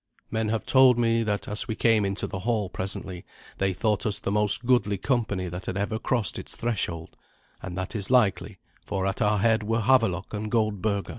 Men have told me that, as we came into the hall presently, they thought us the most goodly company that had ever crossed its threshold; and that is likely, for at our head were Havelok and Goldberga.